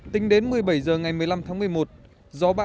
tính đến một mươi bảy giờ ngày một mươi năm tháng một mươi một